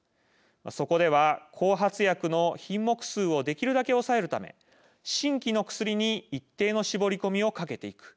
そこでは、後発薬の品目数をできるだけ抑えるため新規の薬に一定の絞り込みをかけていく。